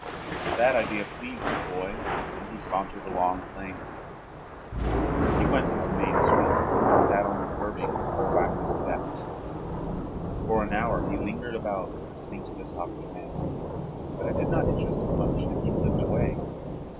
That idea pleased the boy and he sauntered along playing with it. He went into Main Street and sat on the curbing before Wacker's tobacco store. For an hour he lingered about listening to the talk of men, but it did not interest him much and he slipped away.